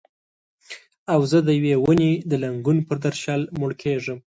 او زه د یوې ونې د لنګون پر درشل مړه کیږم